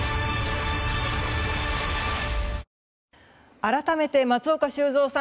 改めて、松岡修造さん